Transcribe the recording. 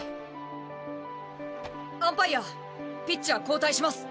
アンパイアピッチャー交代します！